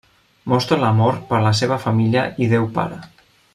Mostra l'amor per la seva família i Déu Pare.